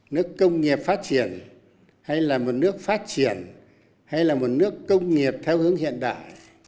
nước công nghiệp phát triển hay là một nước phát triển hay là một nước công nghiệp theo hướng hiện đại